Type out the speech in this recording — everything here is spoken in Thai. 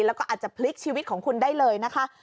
แล้วก็อาจจะพลิกชีวิตของคุณได้เลยนะคะ